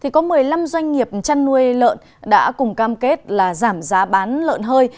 có một mươi năm doanh nghiệp chăn nuôi lợn đã cùng cam kết giảm giá bán lợn hơi